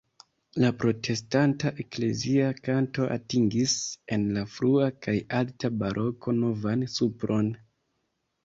La protestanta eklezia kanto atingis en la frua kaj alta baroko novan supron.